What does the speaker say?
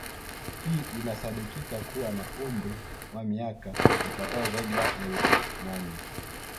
Hii inasadikika kuwa na umri wa miaka ipitayo zaidi ya elfu nane